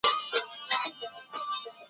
زما په ګمان د هغه کتاب نوم مفرور و.